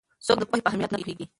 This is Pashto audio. څوک د پوهې په اهمیت نه پوهېږي؟